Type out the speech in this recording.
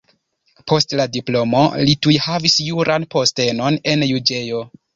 Post la diplomo li tuj havis juran postenon en juĝejo.